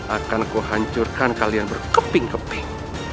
akan kuhancurkan kalian berkeping keping